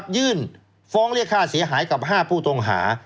ยื่นฟ้องเรียกค่าเสียหายกับ๕ผู้ต้องหา